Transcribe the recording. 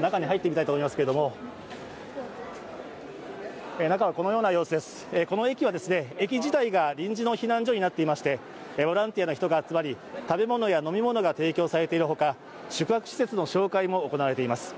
中に入ってみたいと思いますけれども、中はこのような様子です、この駅は駅自体が臨時の避難所になっていましてボランティアの人が集まり食べ物や飲み物が提供されているほか、宿泊施設の紹介も行われています。